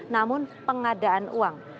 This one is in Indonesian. namun pengadaan uang